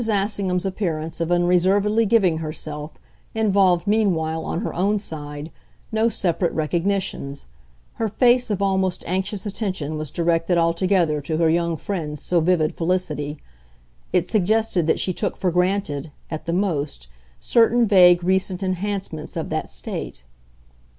Assingham's appearance of unreservedly giving herself involved meanwhile, on her own side, no separate recognitions: her face of almost anxious attention was directed altogether to her young friend's so vivid felicity; it suggested that she took for granted, at the most, certain vague recent enhancements of that state.